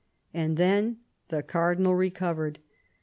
And then the Cardinal recovered.